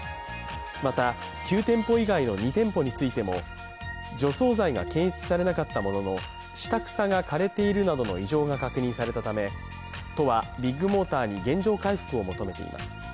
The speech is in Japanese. また、９店舗以外の２店舗についても除草剤が検出されなかったものの、下草が枯れているなどの異常が確認されているため、都はビッグモーターに原状回復を求めています